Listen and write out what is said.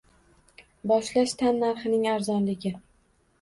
Boshlash tan narxining arzonligi